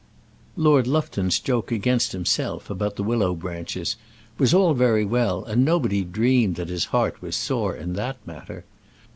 Lord Lufton's joke against himself about the willow branches was all very well, and nobody dreamed that his heart was sore in that matter.